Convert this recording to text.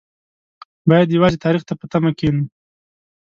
باید یوازې تاریخ ته په تمه کېنو.